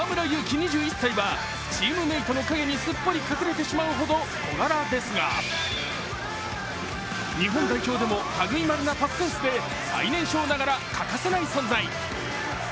２１歳はチームメートの影にすっかり隠れてしまうほど小柄ですが日本代表でも類いまれなパスセンスで、最年少ながら欠かせない存在。